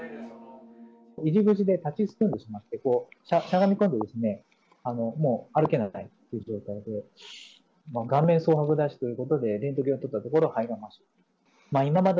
入り口で立ちすくんでしまって、しゃがみこんでもう歩けないという状態で、もう顔面そう白だしということで、レントゲンを撮ったところ、肺が真っ白で。